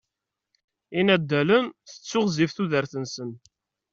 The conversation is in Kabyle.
Inaddalen, tettiɣzif tudert-nsen.